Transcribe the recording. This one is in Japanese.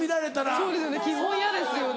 そうですね基本嫌ですよね。